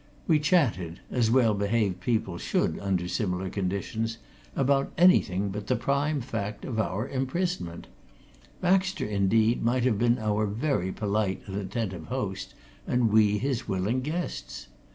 We chatted, as well behaved people should under similar conditions, about anything but the prime fact of our imprisonment; Baxter, indeed, might have been our very polite and attentive host and we his willing guests.